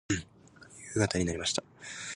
夕方になりました。